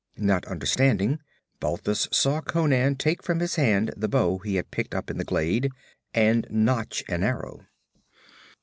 Not understanding, Balthus saw Conan take from his hand the bow he had picked up in the glade, and notch an arrow.